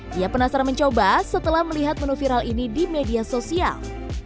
dia penasaran mencoba setelah melihat menu viral ini di media sosial